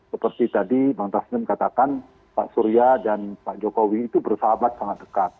seperti tadi bang taslim katakan pak surya dan pak jokowi itu bersahabat sangat dekat